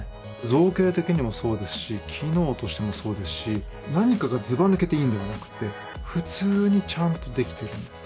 造形的にもそうですし機能としてもそうですし何かがずばぬけていいんではなくて普通にちゃんとできてるんです